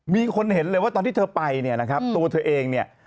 มีคนเห็นเลยว่าตอนที่เธอไปเนี่ยนะครับตัวเธอเองเนี่ย